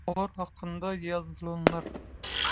Olar hakynda ýazylanlar.